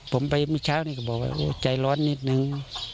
ผมไปเมื่อเช้านี้ก็บอกว่าโอ้ใจร้อนนิดนึง